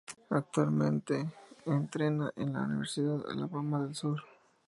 Actualmente entrena en la Universidad de Alabama del Sur.